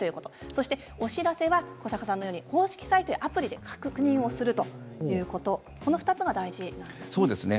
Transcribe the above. そして、お知らせは古坂さんのように公式サイトやアプリで確認をするということなんですね。